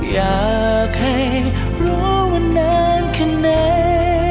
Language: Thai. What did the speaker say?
อยากให้รู้ว่านานแค่ไหน